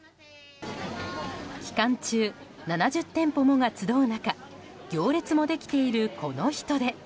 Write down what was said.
期間中７０店舗もが集う中行列もできているこの人出。